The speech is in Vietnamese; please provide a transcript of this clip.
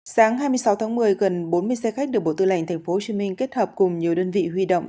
sáng hai mươi sáu tháng một mươi gần bốn mươi xe khách được bộ tư lệnh thành phố hồ chí minh kết hợp cùng nhiều đơn vị huy động